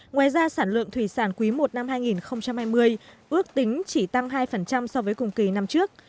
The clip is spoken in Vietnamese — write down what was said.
ngoài ra sản lượng thủy sản quý i năm hai nghìn hai mươi ước tính chỉ tăng hai so với cùng kỳ năm trước